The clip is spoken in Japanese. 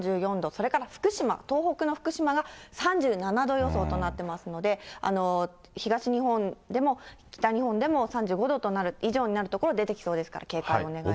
それから福島、東北の福島が３７度予想となってますので、東日本でも北日本でも、３５度以上になる所、出てきそうですから、警戒お願いします。